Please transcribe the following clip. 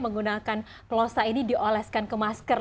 menggunakan plosa ini dioleskan ke masker